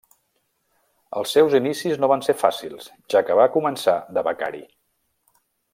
Els seus inicis no van ser fàcils, ja que va començar de becari.